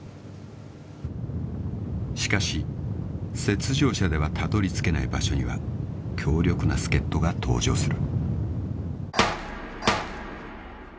［しかし雪上車ではたどり着けない場所には強力な助っ人が登場する］